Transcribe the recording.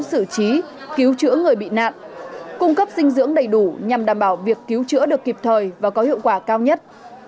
sử trí cứu chữa người bị nạn cung cấp dinh dưỡng đầy đủ nhằm đảm bảo việc cứu chữa được kịp thời và có hiệu quả cao nhất